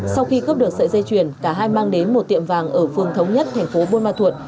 sau khi cướp được sợi dây chuyền cả hai mang đến một tiệm vàng ở phương thống nhất thành phố buôn ma thuột